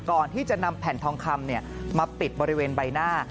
ก่อนที่จะนำแผ่นทองคำมาปิดบริเวณใบหน้า